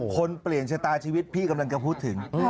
เปลี่ยนชะตาชีวิตพี่กำลังจะพูดถึง